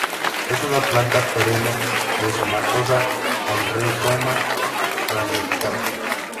Es una planta perenne, rizomatosa, con rizoma ramificado.